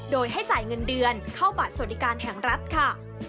โดยให้จ่ายเงินเดือนเข้าบัตรสวัสดิการแห่งรัฐค่ะ